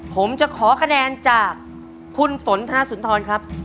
ผมจะขอคะแนนจากคุณฝนธนสุนทรครับ